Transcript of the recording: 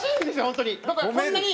本当に。